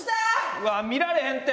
うわっ見られへんて。